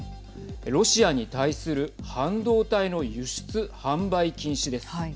ロシアに対する半導体の輸出・販売禁止です。